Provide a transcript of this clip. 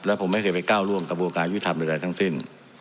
และผมไม่เคยไปก้าวร่วงกระบวนการยุทธรรมใดทั้งสิ้น